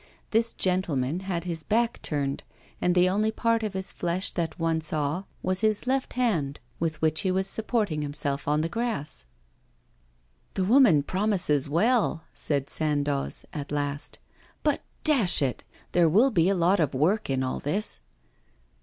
This gentleman had his back turned and the only part of his flesh that one saw was his left hand, with which he was supporting himself on the grass. 'The woman promises well,' said Sandoz, at last; 'but, dash it, there will be a lot of work in all this.